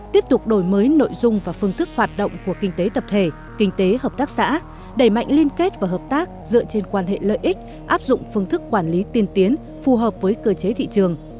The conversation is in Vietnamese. tiếp tục đổi mới nội dung và phương thức hoạt động của kinh tế tập thể kinh tế hợp tác xã đẩy mạnh liên kết và hợp tác dựa trên quan hệ lợi ích áp dụng phương thức quản lý tiên tiến phù hợp với cơ chế thị trường